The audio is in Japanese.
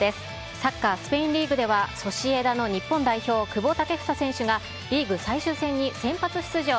サッカースペインリーグでは、ソシエダの日本代表、久保建英選手がリーグ最終戦に先発出場。